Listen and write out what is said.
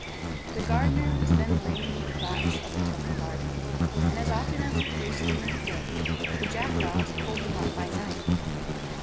The gardener was then laying the plats of the Temple gardens, and as often as he placed them in the day the jackdaws pulled them up by night.